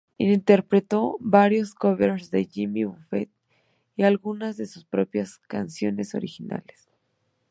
Interpretó varios covers de Jimmy Buffett y algunas de sus propias canciones originales.